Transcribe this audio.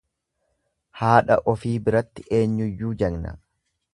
Haadha ofi biratti eenyuyyuu jagna.